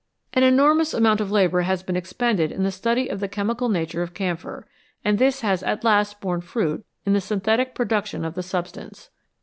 An enormous amount of labour has been expended in the study of the chemical nature of camphor, and this has at last borne fruit in the synthetic production of the substance.